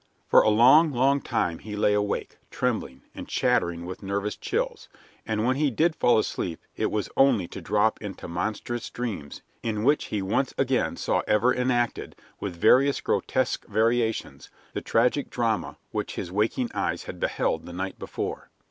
For a long, long time he lay awake, trembling and chattering with nervous chills, and when he did fall asleep it was only to drop into monstrous dreams in which he once again saw ever enacted, with various grotesque variations, the tragic drama which his waking eyes had beheld the night before.